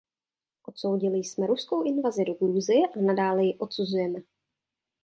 Odsoudili jsme ruskou invazi do Gruzie a nadále ji odsuzujeme.